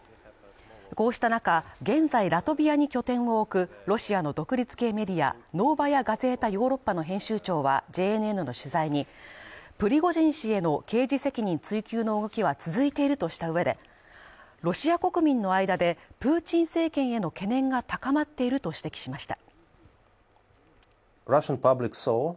こうした中、現在ラトビアに拠点を置くロシアの独立系メディアノーバヤ・ガゼータ・ヨーロッパの編集長は、ＪＮＮの取材に、プリゴジン氏への刑事責任追及の動きは続いているとした上で、ロシア国民の間で、プーチン政権への懸念が高まっていると指摘しました。